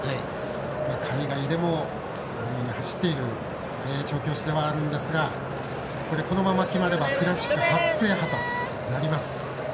海外でも走っている調教師ではあるんですがこのまま決まればクラシック初制覇となります。